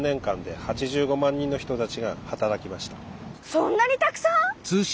そんなにたくさん？